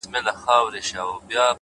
مهرباني د انسان تر ټولو نرم ځواک دی’